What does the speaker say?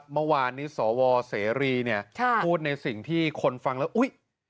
เมื่อวานนี้สวเสรีเนี่ยพูดในสิ่งที่คนฟังแล้วอุ๊ย